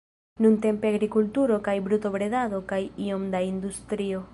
Nuntempe agrikulturo kaj brutobredado kaj iom da industrio.